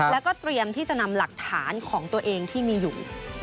แล้วก็เตรียมที่จะนำหลักฐานของตัวเองที่มีอยู่